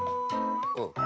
うん。